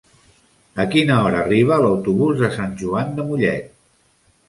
A quina hora arriba l'autobús de Sant Joan de Mollet?